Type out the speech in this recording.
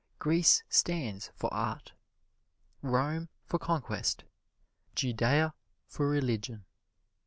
Greece stands for art; Rome for conquest; Judea for religion.